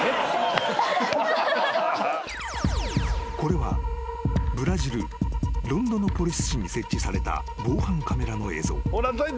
［これはブラジルロンドノポリス市に設置された防犯カメラの映像］